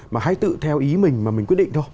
mà hãy tự theo ý mình mà mình quyết định thôi